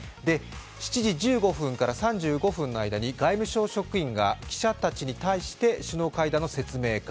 ７時１５分から３５分の間に外務省職員が記者たちに対して、首脳会談の説明会。